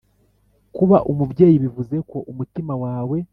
kuba umubyeyi bivuze ko umutima wawe